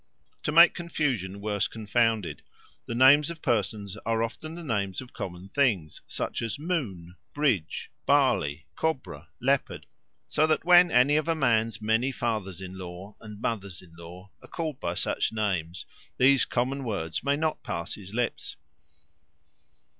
To make confusion worse confounded, the names of persons are often the names of common things, such as moon, bridge, barley, cobra, leopard; so that when any of a man's many fathers in law and mothers in law are called by such names, these common words may not pass his lips.